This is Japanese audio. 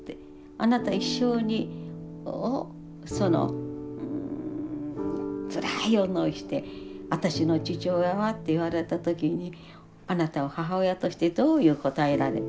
あなた一生をそのつらい思いして「私の父親は？」って言われた時にあなたは母親としてどういう答えられた。